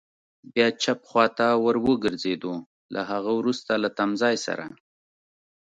بیا چپ خوا ته ور وګرځېدو، له هغه وروسته له تمځای سره.